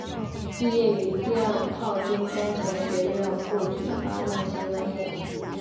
毕业于第二炮兵工程学院固体发动机专业。